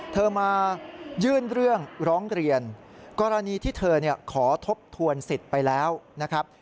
เธอมายื่นเรื่องร้องเรียนกรณีที่เธอขอทบทวนสิทธิ์ไปแล้วนะครับ